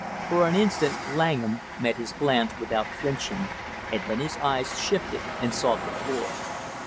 For an instant Langham met his glance without flinching and then his eyes shifted and sought the floor.